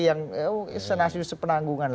yang senang senang sepenanggungan